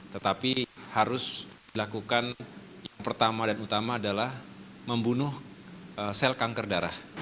tetapi harus dilakukan yang pertama dan utama adalah membunuh sel kanker darah